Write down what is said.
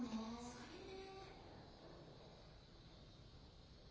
それね。